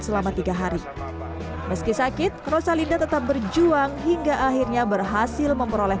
selama tiga hari meski sakit rosalinda tetap berjuang hingga akhirnya berhasil memperoleh